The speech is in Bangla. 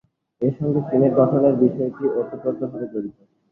এর সঙ্গে সিনেট গঠনের বিষয়টি ওতপ্রোতভাবে জড়িত।